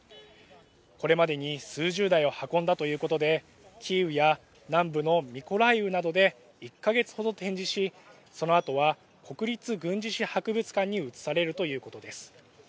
これまでに数十台を運んだということでキーウや南部のミコライウなどで１か月ほど展示し、そのあとは国立軍事史博物館に移されるということです。